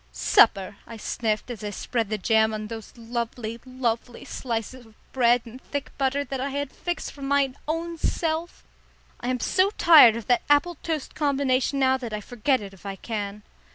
"Supper," I sniffed, as I spread the jam on those lovely, lovely slices of bread and thick butter that I had fixed for my own self. "I am so tired of that apple toast combination now that I forget it if I can."